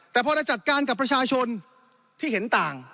แต่พอเราจัดการกับประชาชนที่เห็นต่าง